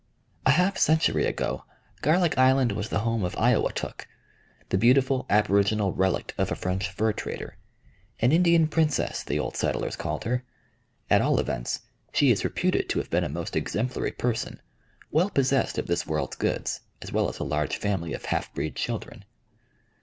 A half century ago Garlic Island was the home of Iowatuk, the beautiful aboriginal relict of a French fur trader, an Indian princess, the old settlers called her; at all events, she is reputed to have been a most exemplary person, well possessed of this world's goods, as well as a large family of half breed children.